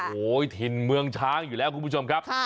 โอ้โหถิ่นเมืองช้างอยู่แล้วคุณผู้ชมครับ